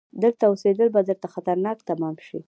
دلته اوسيدل به درته خطرناک تمام شي!